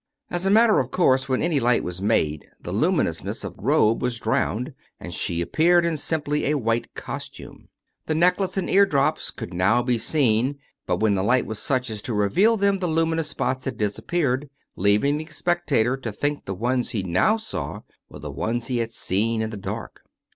As a matter of course, when any light was made the lumi nousness of the robe was drowned, and she appeared in sim ply a white costume. The necklace and eardrops could now be seen, but when the light was such as to reveal them, the luminous spots had disappeared, leaving the spectator to think the ones he now saw were the ones he had seen in the dark.